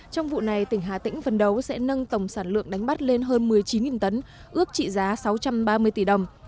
trong vụ này tỉnh hà tĩnh phấn đấu sẽ nâng tổng sản lượng đánh bắt lên hơn một mươi chín tấn ước trị giá sáu trăm ba mươi tỷ đồng